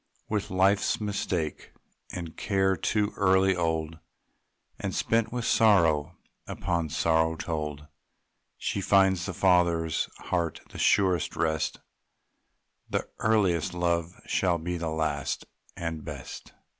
With life's mistake and care too early old, And spent with sorrow upon sorrow told, She finds the father's heart the surest rest; The earliest love shall be the last and best.